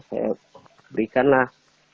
saya berikan lah